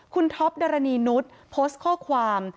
คุณท็อปดารณีนุษย์โพสต์ข้อความ